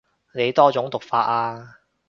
你多種讀法啊